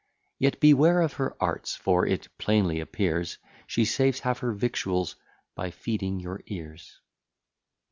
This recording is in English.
Yet beware of her arts; for, it plainly appears, She saves half her victuals, by feeding your ears.